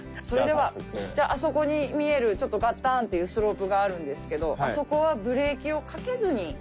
それではじゃああそこに見えるちょっとガッタンっていうスロープがあるんですけどあそこはブレーキをかけずに。